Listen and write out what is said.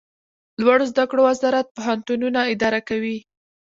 لوړو زده کړو وزارت پوهنتونونه اداره کوي